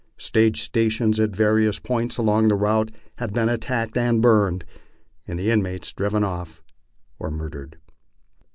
Stage stations at various points along the route had been at tacked and burned, and the inmates driven off or murdered.